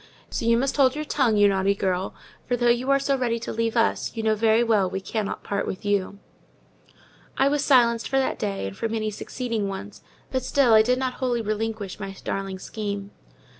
So you must hold your tongue, you naughty girl; for, though you are so ready to leave us, you know very well we cannot part with you." I was silenced for that day, and for many succeeding ones; but still I did not wholly relinquish my darling scheme.